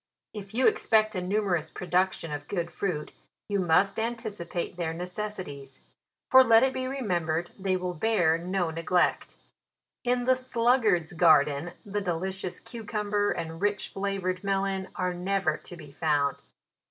If you expect a numerous production of good fruit, you must anticipate their necessi ties ; for let it be remembered they will bear no neglect. In the " sluggard's garden," the delicious cucumber, and rich flavoured melon are never to be found.